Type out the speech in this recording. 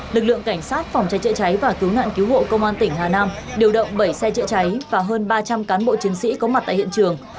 lực lượng cảnh sát phòng cháy chữa cháy và cứu nạn cứu hộ công an tỉnh hà nam điều động bảy xe chữa cháy và hơn ba trăm linh cán bộ chiến sĩ có mặt tại hiện trường